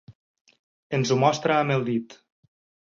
Ens ho mostrà amb el dit.